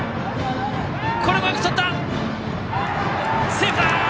セーフだ！